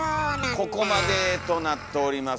ここまでとなっております